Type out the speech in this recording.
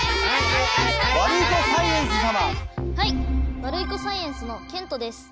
ワルイコサイエンスのけんとです。